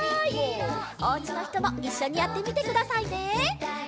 おうちのひともいっしょにやってみてくださいね！